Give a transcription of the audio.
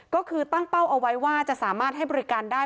ก็คือตั้งเป้าเอาไว้ว่าจะสามารถให้บริการได้